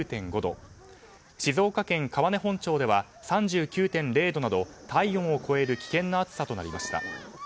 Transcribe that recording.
静岡県川根本町では３９．０度など体温を超える危険な暑さとなりました。